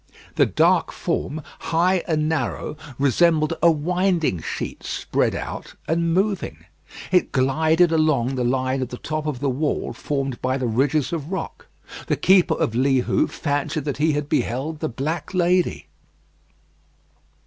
This dark form, high and narrow, resembled a winding sheet spread out and moving. It glided along the line of the top of the wall formed by the ridges of rock. The keeper of Li Hou fancied that he had beheld the Black Lady.